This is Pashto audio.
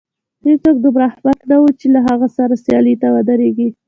هېڅوک دومره احمق نه و چې له هغه سره سیالۍ ته ودرېږي.